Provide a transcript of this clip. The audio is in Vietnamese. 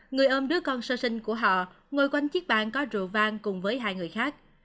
người ôm đứa con sơ sinh của họ ngồi quanh chiếc bàn có rượu vang cùng với hai người khác